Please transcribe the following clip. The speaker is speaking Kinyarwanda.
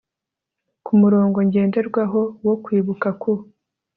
ku murongo ngenderwaho wo kwibuka ku